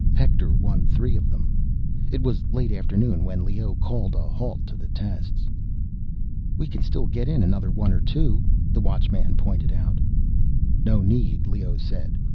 Hector won three of them. It was late afternoon when Leoh called a halt to the tests. "We can still get in another one or two," the Watchman pointed out. "No need," Leoh said.